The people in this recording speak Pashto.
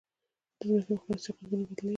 د ځمکې مقناطیسي قطبونه بدلېږي.